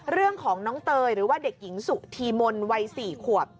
เรื่องของน้องเตยหรือว่าเด็กหญิงสุธีมนต์วัย๔ขวบ